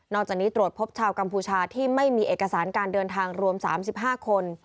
จากนี้ตรวจพบชาวกัมพูชาที่ไม่มีเอกสารการเดินทางรวม๓๕คน